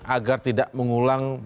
agar tidak mengulang